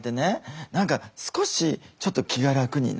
何か少しちょっと気が楽になった。